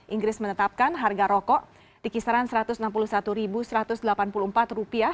inggris menetapkan harga rokok di kisaran rp satu ratus enam puluh satu satu ratus delapan puluh empat